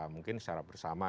mungkin secara bersama